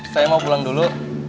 saya mau pulang dulu